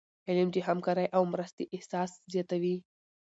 علم د همکاری او مرستي احساس زیاتوي.